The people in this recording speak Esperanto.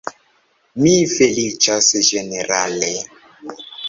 Mi feliĉas ĝenerale!